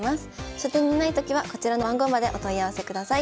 書店にないときはこちらの番号までお問い合わせください。